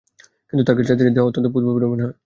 কিন্তু তার কাছে যারীদের দেহ অত্যন্ত পূত-পবিত্র মনে হয়।